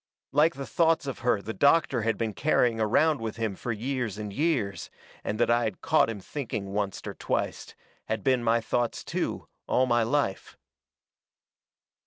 Like the thoughts of her the doctor had been carrying around with him fur years and years, and that I had caught him thinking oncet or twicet, had been my thoughts too, all my life.